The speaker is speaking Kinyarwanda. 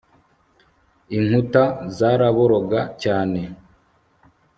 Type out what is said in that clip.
inkuta zaraboroga cyane